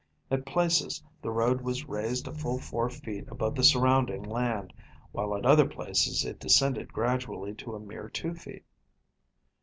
At places the road was raised a full four feet above the surrounding land, while at other places it descended gradually to a mere two feet.